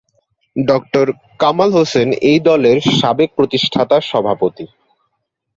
ড: কামাল হোসেন এই দলের সাবেক প্রতিষ্ঠাতা সভাপতি।